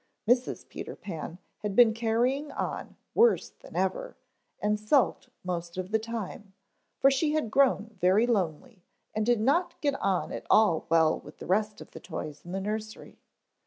Mrs. Peter Pan had been carrying on worse than ever, and sulked most of the time, for she had grown very lonely and did not get on at all well with the rest of the toys in the nursery.